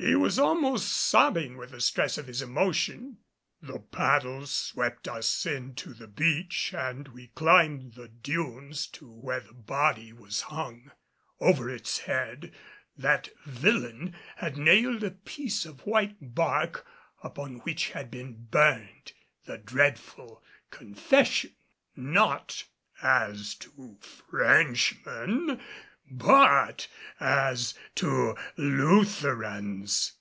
He was almost sobbing with the stress of his emotion. The paddles swept us in to the beach and we climbed the dunes to where the body was hung. Over its head that villain had nailed a piece of white bark upon which had been burned the dreadful confession, "_Not As To Frenchmen But As To Lutherans!